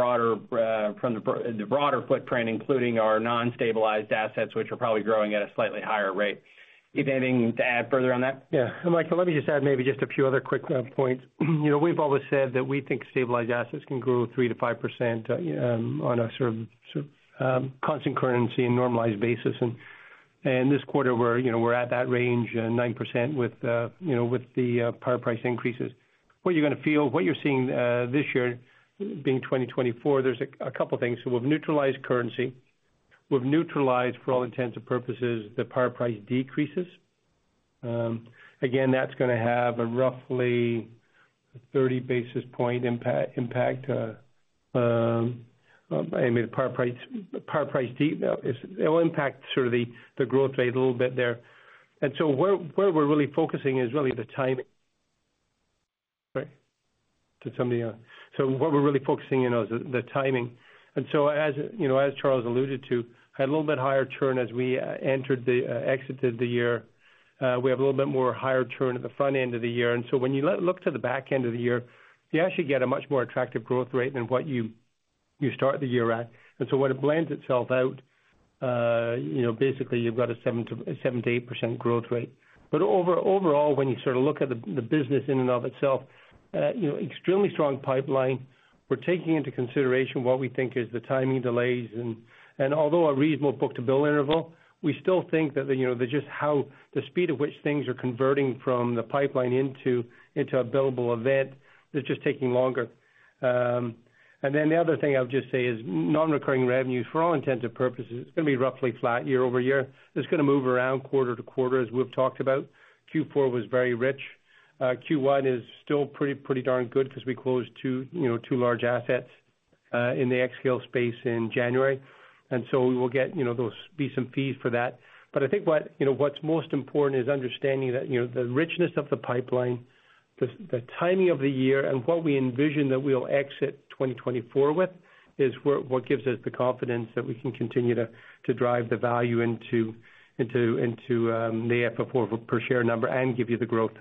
broader footprint, including our non-stabilized assets, which are probably growing at a slightly higher rate. If anything to add further on that. Yeah. And Michael, let me just add maybe just a few other quick points. We've always said that we think stabilized assets can grow 3%-5% on a sort of constant currency and normalized basis. This quarter, we're at that range, 9% with the power price increases. What you're going to feel, what you're seeing this year being 2024, there's a couple of things. We've neutralized currency. We've neutralized, for all intents and purposes, the power price decreases. Again, that's going to have a roughly 30 basis point impact. I mean, the power price it will impact sort of the growth rate a little bit there. Where we're really focusing is really the timing. Sorry. To somebody else. What we're really focusing in on is the timing. As Charles alluded to, had a little bit higher churn as we exited the year. We have a little bit more higher churn at the front end of the year. So when you look to the back end of the year, you actually get a much more attractive growth rate than what you start the year at. So when it blends itself out, basically, you've got a 7%-8% growth rate. But overall, when you sort of look at the business in and of itself, extremely strong pipeline. We're taking into consideration what we think is the timing delays and although a reasonable book-to-bill interval, we still think that just how the speed at which things are converting from the pipeline into a billable event, it's just taking longer. Then the other thing I'll just say is non-recurring revenues, for all intents and purposes, it's going to be roughly flat year-over-year. It's going to move around quarter to quarter, as we've talked about. Q4 was very rich. Q1 is still pretty darn good because we closed two large assets in the xScale space in January. And so we will get those as some fees for that. But I think what's most important is understanding that the richness of the pipeline, the timing of the year, and what we envision that we'll exit 2024 with is what gives us the confidence that we can continue to drive the value into the FFO per share number and give you the growth.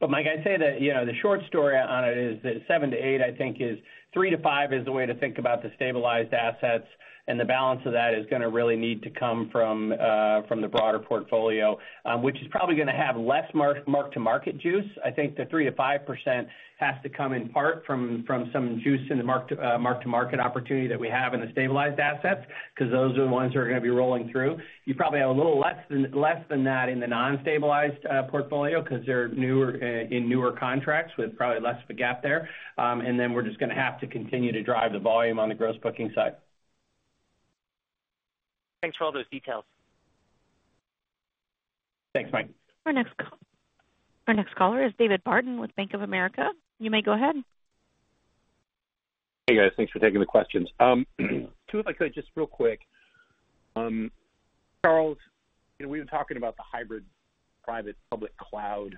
But Mike, I'd say that the short story on it is that 7-8, I think, is 3-5 is the way to think about the stabilized assets. And the balance of that is going to really need to come from the broader portfolio, which is probably going to have less mark-to-market juice. I think the 3%-5% has to come in part from some juice in the mark-to-market opportunity that we have in the stabilized assets because those are the ones that are going to be rolling through. You probably have a little less than that in the non-stabilized portfolio because they're in newer contracts with probably less of a gap there. And then we're just going to have to continue to drive the volume on the gross booking side. Thanks for all those details. Thanks, Mike. Our next caller is David Barden with Bank of America. You may go ahead. Hey, guys. Thanks for taking the questions. Two if I could, just real quick. Charles, we've been talking about the hybrid private public cloud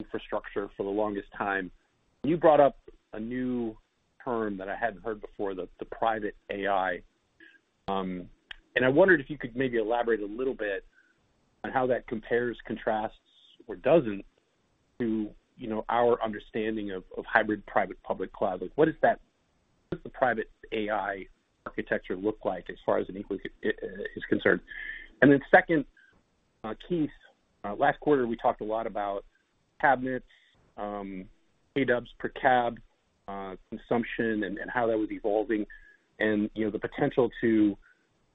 infrastructure for the longest time. You brought up a new term that I hadn't heard before, the private AI. And I wondered if you could maybe elaborate a little bit on how that compares, contrasts, or doesn't to our understanding of hybrid private public cloud. What does the private AI architecture look like as far as it is concerned? And then second, Keith, last quarter, we talked a lot about cabinets, ADUBs per cab consumption, and how that was evolving, and the potential to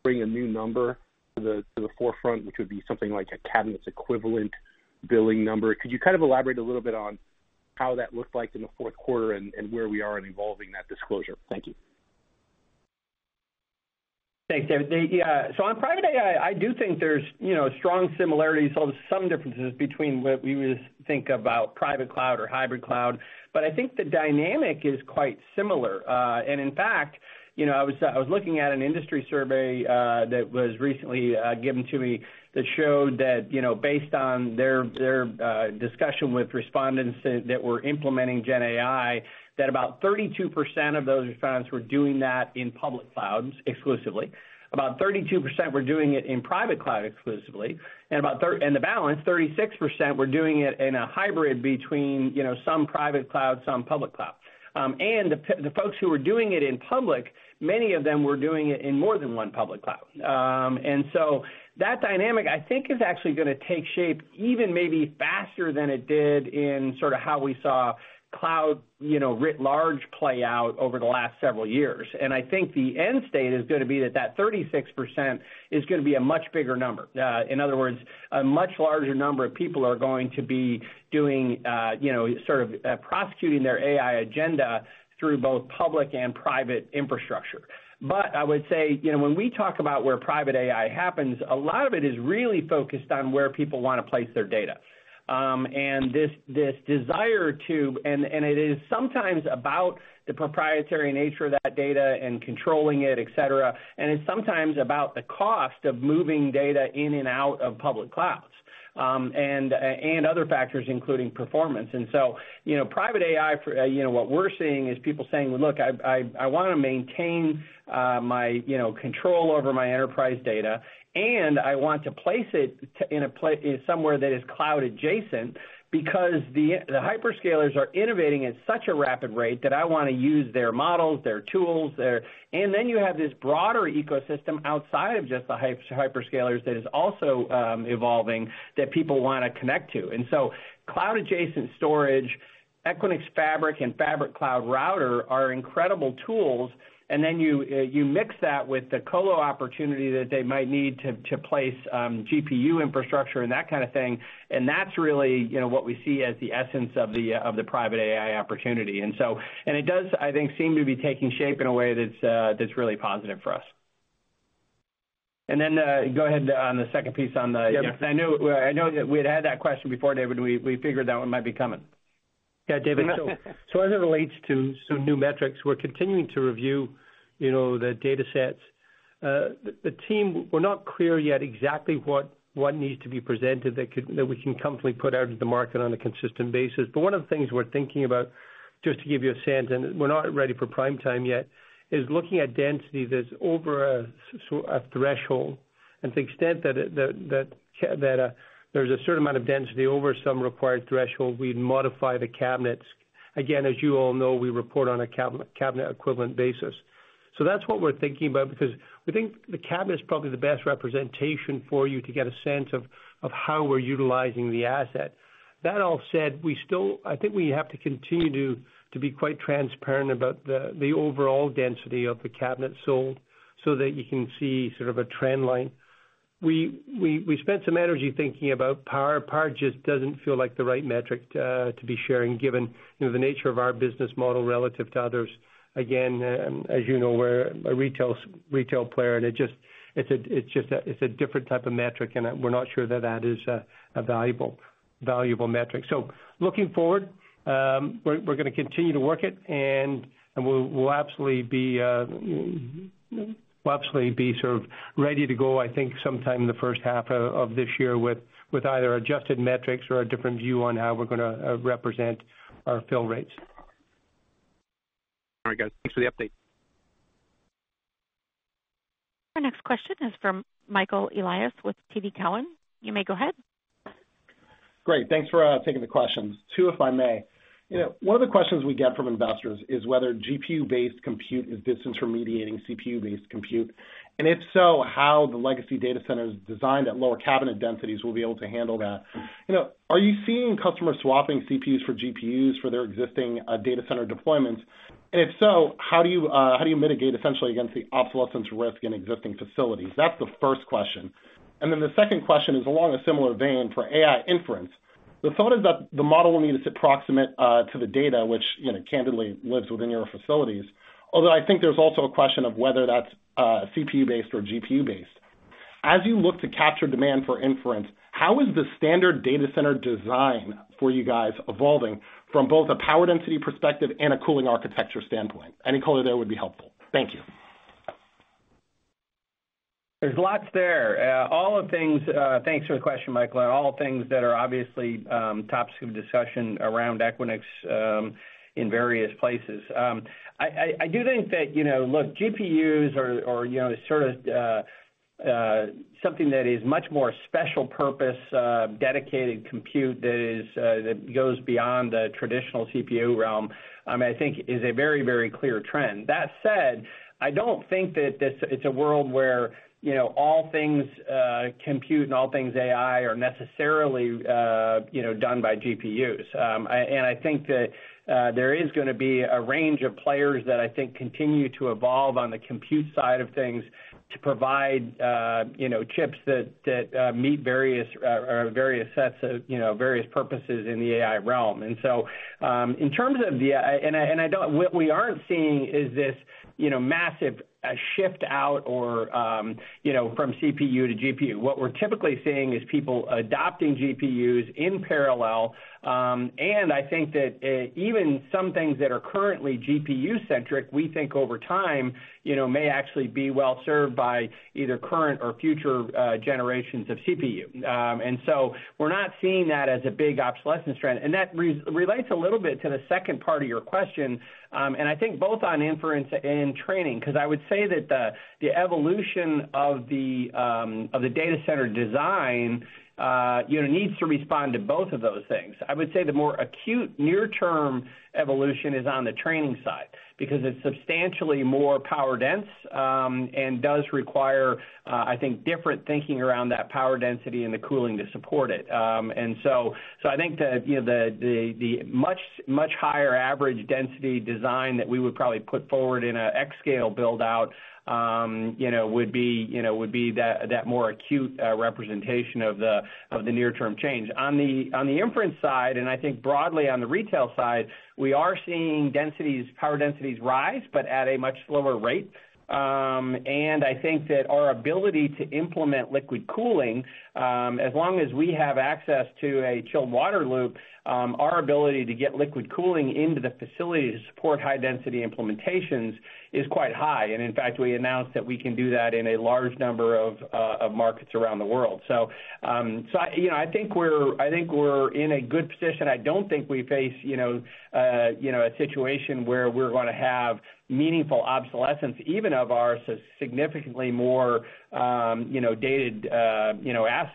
bring a new number to the forefront, which would be something like a cabinets equivalent billing number. Could you kind of elaborate a little bit on how that looked like in the fourth quarter and where we are in evolving that disclosure? Thank you. Thanks, David. Yeah. So on private AI, I do think there's strong similarities, some differences between what we would think about private cloud or hybrid cloud. But I think the dynamic is quite similar. In fact, I was looking at an industry survey that was recently given to me that showed that based on their discussion with respondents that were implementing GenAI, that about 32% of those respondents were doing that in public clouds exclusively. About 32% were doing it in private cloud exclusively. And the balance, 36% were doing it in a hybrid between some private cloud, some public cloud. And the folks who were doing it in public, many of them were doing it in more than one public cloud. And so that dynamic, I think, is actually going to take shape even maybe faster than it did in sort of how we saw cloud writ large play out over the last several years. And I think the end state is going to be that that 36% is going to be a much bigger number. In other words, a much larger number of people are going to be sort of prosecuting their AI agenda through both public and private infrastructure. But I would say when we talk about where private AI happens, a lot of it is really focused on where people want to place their data. And this desire to and it is sometimes about the proprietary nature of that data and controlling it, etc. And it's sometimes about the cost of moving data in and out of public clouds and other factors, including performance. Private AI, what we're seeing is people saying, "Look, I want to maintain my control over my enterprise data. And I want to place it somewhere that is cloud-adjacent because the hyperscalers are innovating at such a rapid rate that I want to use their models, their tools." Then you have this broader ecosystem outside of just the hyperscalers that is also evolving that people want to connect to. Cloud-adjacent storage, Equinix Fabric, and Fabric Cloud Router are incredible tools. Then you mix that with the colo opportunity that they might need to place GPU infrastructure and that kind of thing. That's really what we see as the essence of the private AI opportunity. It does, I think, seem to be taking shape in a way that's really positive for us. Then go ahead on the second piece on the I know that we had had that question before, David. We figured that one might be coming. Yeah, David. So as it relates to new metrics, we're continuing to review the datasets. The team, we're not clear yet exactly what needs to be presented that we can comfortably put out into the market on a consistent basis. But one of the things we're thinking about, just to give you a sense and we're not ready for prime time yet, is looking at density. There's over a threshold. And to the extent that there's a certain amount of density over some required threshold, we'd modify the cabinets. Again, as you all know, we report on a cabinet equivalent basis. So that's what we're thinking about because we think the cabinet is probably the best representation for you to get a sense of how we're utilizing the asset. That all said, I think we have to continue to be quite transparent about the overall density of the cabinets sold so that you can see sort of a trend line. We spent some energy thinking about power. Power just doesn't feel like the right metric to be sharing, given the nature of our business model relative to others. Again, as you know, we're a retail player. It's just a different type of metric. We're not sure that that is a valuable metric. Looking forward, we're going to continue to work it. We'll absolutely be sort of ready to go, I think, sometime in the first half of this year with either adjusted metrics or a different view on how we're going to represent our fill rates. All right, guys. Thanks for the update. Our next question is from Michael Elias with TD Cowen. You may go ahead. Great. Thanks for taking the questions. Two if I may. One of the questions we get from investors is whether GPU-based compute is this intermediating CPU-based compute. And if so, how the legacy data centers designed at lower cabinet densities will be able to handle that. Are you seeing customers swapping CPUs for GPUs for their existing data center deployments? And if so, how do you mitigate essentially against the obsolescence risk in existing facilities? That's the first question. And then the second question is along a similar vein for AI inference. The thought is that the model will need to sit proximate to the data, which candidly lives within your facilities. Although I think there's also a question of whether that's CPU-based or GPU-based. As you look to capture demand for inference, how is the standard data center design for you guys evolving from both a power density perspective and a cooling architecture standpoint? Any color there would be helpful. Thank you. There's lots there. All those things, thanks for the question, Michael. All things that are obviously topics of discussion around Equinix in various places. I do think that, look, GPUs are sort of something that is much more special purpose, dedicated compute that goes beyond the traditional CPU realm. I mean, I think is a very, very clear trend. That said, I don't think that it's a world where all things compute and all things AI are necessarily done by GPUs. And I think that there is going to be a range of players that I think continue to evolve on the compute side of things to provide chips that meet various sets of various purposes in the AI realm. And so in terms of that, and what we aren't seeing is this massive shift out from CPU to GPU. What we're typically seeing is people adopting GPUs in parallel. And I think that even some things that are currently GPU-centric, we think over time may actually be well served by either current or future generations of CPU. And so we're not seeing that as a big obsolescence trend. And that relates a little bit to the second part of your question. And I think both on inference and training because I would say that the evolution of the data center design needs to respond to both of those things. I would say the more acute near-term evolution is on the training side because it's substantially more power dense and does require, I think, different thinking around that power density and the cooling to support it. And so I think that the much higher average density design that we would probably put forward in an xScale buildout would be that more acute representation of the near-term change. On the inference side, and I think broadly on the retail side, we are seeing power densities rise, but at a much slower rate. And I think that our ability to implement liquid cooling, as long as we have access to a chilled water loop, our ability to get liquid cooling into the facility to support high-density implementations is quite high. And in fact, we announced that we can do that in a large number of markets around the world. So I think we're in a good position. I don't think we face a situation where we're going to have meaningful obsolescence even of our significantly more dated assets,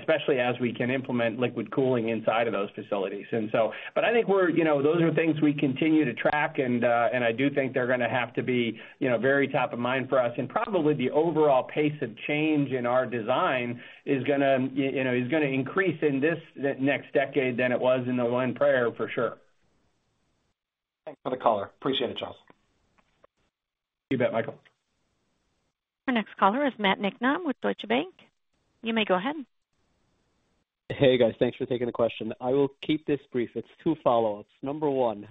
especially as we can implement liquid cooling inside of those facilities. I think those are things we continue to track. I do think they're going to have to be very top of mind for us. Probably the overall pace of change in our design is going to increase in this next decade than it was in the one prior, for sure. Thanks for the colour. Appreciate it, Charles. You bet, Michael. Our next caller is Matt Nicknam with Deutsche Bank. You may go ahead. Hey, guys. Thanks for taking the question. I will keep this brief. It's two follow-ups. Number one,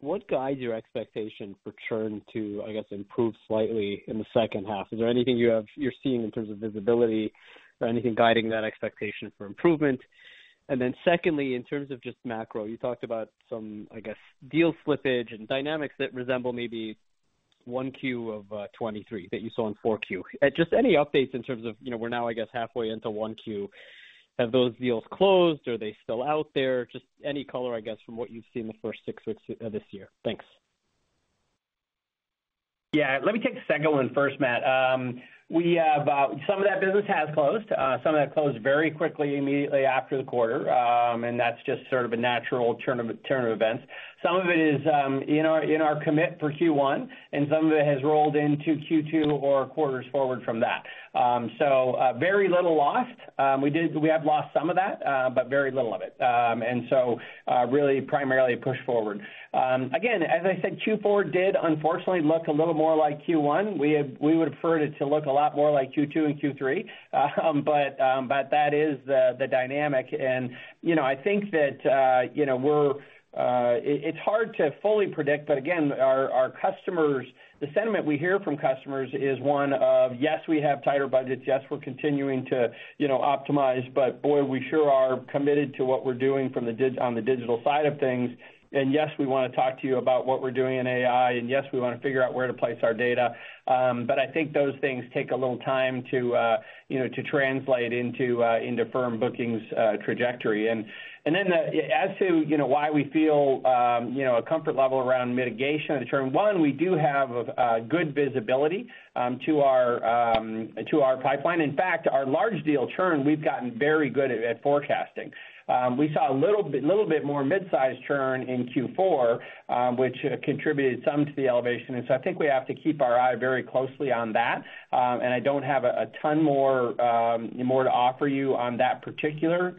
what guides your expectation for churn to, I guess, improve slightly in the second half? Is there anything you're seeing in terms of visibility or anything guiding that expectation for improvement? And then secondly, in terms of just macro, you talked about some, I guess, deal slippage and dynamics that resemble maybe 1Q of 2023 that you saw in 4Q. Just any updates in terms of we're now, I guess, halfway into 1Q. Have those deals closed, or are they still out there? Just any color, I guess, from what you've seen the first six weeks of this year. Thanks. Yeah. Let me take the second one first, Matt. Some of that business has closed. Some of that closed very quickly, immediately after the quarter. And that's just sort of a natural turn of events. Some of it is in our commit for Q1. And some of it has rolled into Q2 or quarters forward from that. So very little lost. We have lost some of that, but very little of it. And so really primarily pushed forward. Again, as I said, Q4 did unfortunately look a little more like Q1. We would prefer it to look a lot more like Q2 and Q3. But that is the dynamic. And I think that it's hard to fully predict. But again, the sentiment we hear from customers is one of, yes, we have tighter budgets. Yes, we're continuing to optimize. But boy, we sure are committed to what we're doing on the digital side of things. And yes, we want to talk to you about what we're doing in AI. And yes, we want to figure out where to place our data. But I think those things take a little time to translate into firm bookings trajectory. And then as to why we feel a comfort level around mitigation of the churn, one, we do have good visibility to our pipeline. In fact, our large deal churn, we've gotten very good at forecasting. We saw a little bit more midsize churn in Q4, which contributed some to the elevation. And so I think we have to keep our eye very closely on that. And I don't have a ton more to offer you on that particular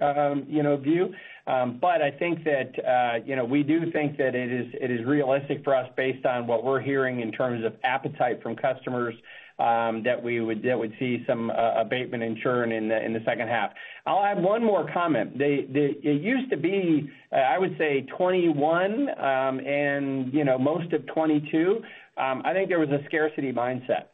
view. But I think that we do think that it is realistic for us based on what we're hearing in terms of appetite from customers that we would see some abatement in churn in the second half. I'll add one more comment. It used to be, I would say, 2021 and most of 2022. I think there was a scarcity mindset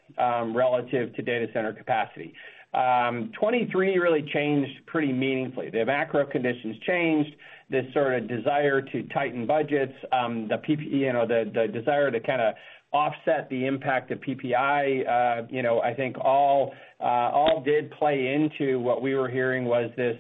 relative to data center capacity. 2023 really changed pretty meaningfully. The macro conditions changed. This sort of desire to tighten budgets, the desire to kind of offset the impact of PPI, I think all did play into what we were hearing was this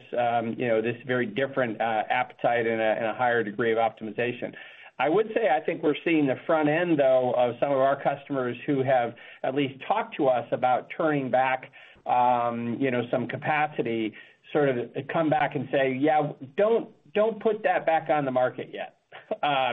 very different appetite and a higher degree of optimization. I would say I think we're seeing the front end, though, of some of our customers who have at least talked to us about turning back some capacity sort of come back and say, "Yeah, don't put that back on the market yet.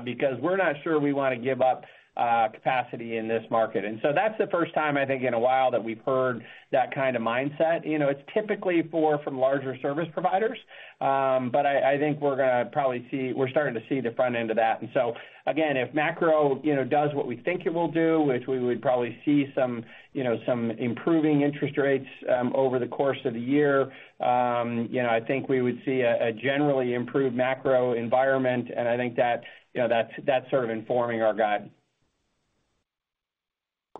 Because we're not sure we want to give up capacity in this market." And so that's the first time, I think, in a while that we've heard that kind of mindset. It's typically from larger service providers. But I think we're going to probably see we're starting to see the front end of that. And so again, if macro does what we think it will do, which we would probably see some improving interest rates over the course of the year, I think we would see a generally improved macro environment. And I think that's sort of informing our guide.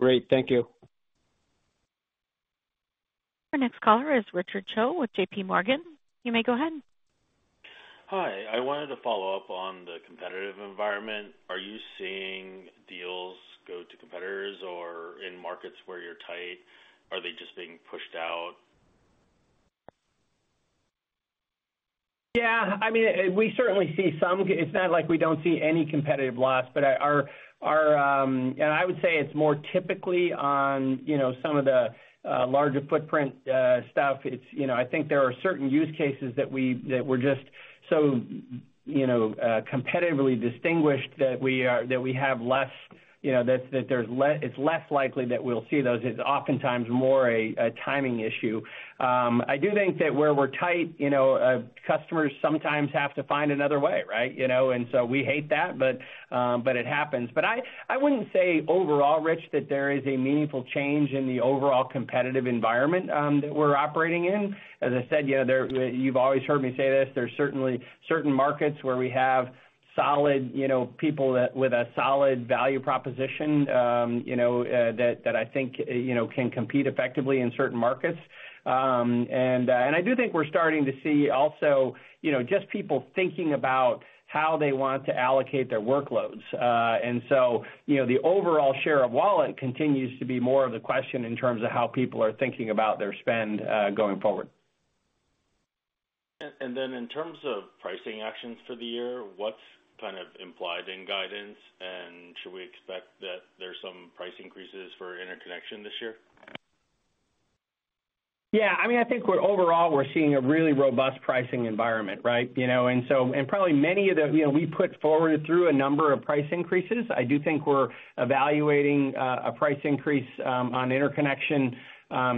Great. Thank you. Our next caller is Richard Choe with J.P. Morgan. You may go ahead. Hi. I wanted to follow up on the competitive environment. Are you seeing deals go to competitors or in markets where you're tight? Are they just being pushed out? Yeah. I mean, we certainly see some. It's not like we don't see any competitive loss. I would say it's more typically on some of the larger footprint stuff. I think there are certain use cases that we're just so competitively distinguished that we have less that it's less likely that we'll see those. It's oftentimes more a timing issue. I do think that where we're tight, customers sometimes have to find another way, right? So we hate that, but it happens. But I wouldn't say overall, Rich, that there is a meaningful change in the overall competitive environment that we're operating in. As I said, you've always heard me say this. There's certainly certain markets where we have people with a solid value proposition that I think can compete effectively in certain markets. I do think we're starting to see also just people thinking about how they want to allocate their workloads. So the overall share of wallet continues to be more of the question in terms of how people are thinking about their spend going forward. In terms of pricing actions for the year, what's kind of implied in guidance? Should we expect that there's some price increases for interconnection this year? Yeah. I mean, I think overall, we're seeing a really robust pricing environment, right? And so probably much of the growth we put forward through a number of price increases. I do think we're evaluating a price increase on interconnection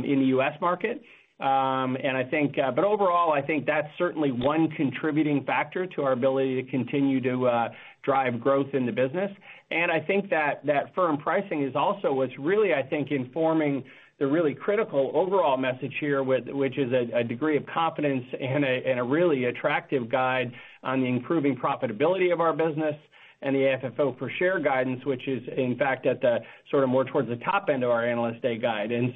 in the U.S. market. But overall, I think that's certainly one contributing factor to our ability to continue to drive growth in the business. And I think that firm pricing is also what's really, I think, informing the really critical overall message here, which is a degree of confidence and a really attractive guide on the improving profitability of our business. And the FFO per share guidance, which is in fact at the sort of more towards the top end of our analyst day guide. And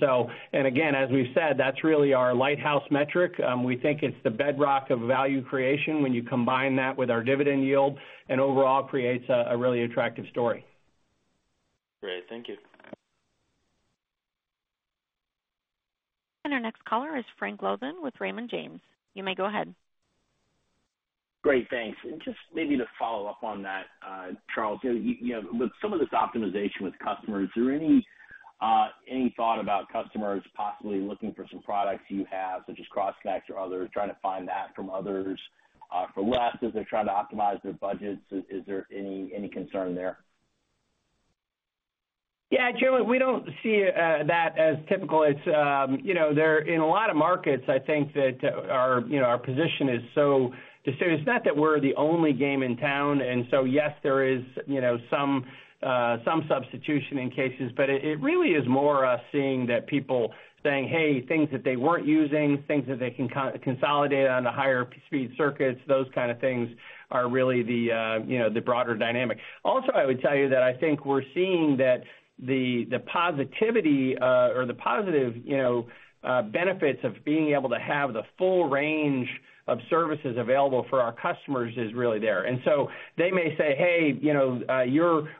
again, as we've said, that's really our lighthouse metric. We think it's the bedrock of value creation when you combine that with our dividend yield and overall creates a really attractive story. Great. Thank you. Our next caller is Frank Louthan with Raymond James. You may go ahead. Great. Thanks. And just maybe to follow up on that, Charles, with some of this optimization with customers, is there any thought about customers possibly looking for some products you have, such as cross-connect or others, trying to find that from others for less as they're trying to optimize their budgets? Is there any concern there? Yeah. Generally, we don't see that as typical. In a lot of markets, I think that our position is so distinct. It's not that we're the only game in town. And so yes, there is some substitution in cases. But it really is more us seeing that people saying, "Hey, things that they weren't using, things that they can consolidate on a higher-speed circuit," those kind of things are really the broader dynamic. Also, I would tell you that I think we're seeing that the positivity or the positive benefits of being able to have the full range of services available for our customers is really there. And so they may say, "Hey,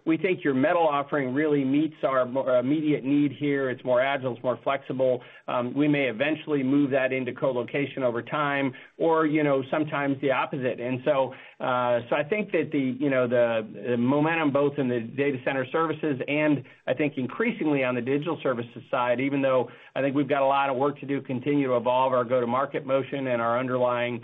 we think your Metal offering really meets our immediate need here. It's more agile. It's more flexible." We may eventually move that into colocation over time or sometimes the opposite. And so I think that the momentum both in the data center services and I think increasingly on the digital services side, even though I think we've got a lot of work to do, continue to evolve our go-to-market motion and our underlying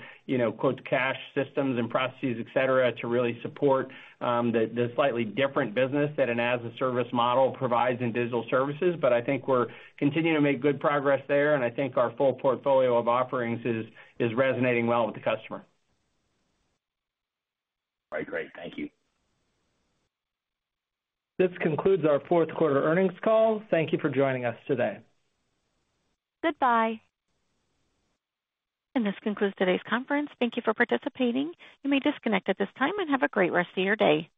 "cash" systems and processes, etc., to really support the slightly different business that an as-a-service model provides in digital services. But I think we're continuing to make good progress there. And I think our full portfolio of offerings is resonating well with the customer. All right. Great. Thank you. This concludes our fourth quarter earnings call. Thank you for joining us today. Goodbye. This concludes today's conference. Thank you for participating. You may disconnect at this time and have a great rest of your day.